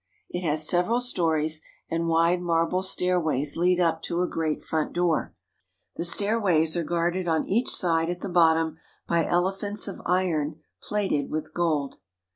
It has several stories, and wide marble stairways lead up to a great front door. The stairways are guarded on each side, at the bottom, by ele phants of iron plated with gold.